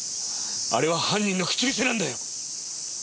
あれは犯人の口癖なんだよ！